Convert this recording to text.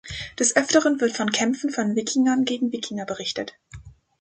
Des Öfteren wird von Kämpfen von Wikingern gegen Wikinger berichtet.